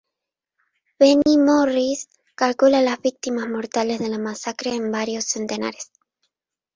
Benny Morris calcula las víctimas mortales de la masacre en varios centenares.